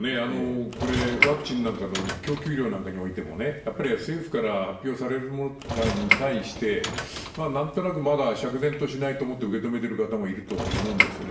これ、ワクチンなんかの供給量なんかにおいてもね、やっぱり政府から発表されるものに対して、なんとなくまだ釈然としないと思って受け止めてる方もいると思うんですよね。